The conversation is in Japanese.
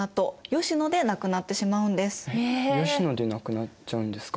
吉野で亡くなっちゃうんですか？